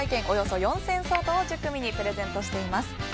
およそ４０００円相当を１０組にプレゼントしています。